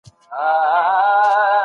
د ټولني د بې وزلو طبقو خدمت وکړئ.